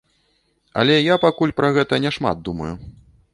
Але я пакуль пра гэта не шмат думаю.